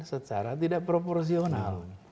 secara tidak proporsional